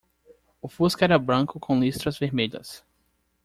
O fusca era branco com listras vermelhas.